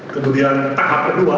kemudian tahap kedua